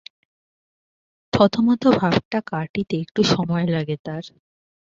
থতথত ভাবটা কাটিতে একটু সময় লাগে তার।